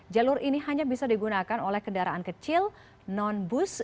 jalur ini hanya bisa digunakan oleh kendaraan kecil non bus